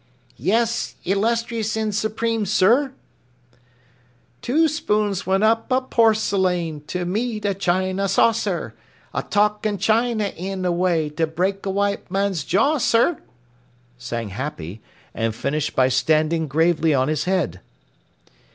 "Yes, illustrious and Supreme Sir!" Two spoons went down a Por ce Lane, To meet a China saucer, A 'talking China in a way To break a white man's jaw, Sir! sang Happy, and finished by standing gravely on his head.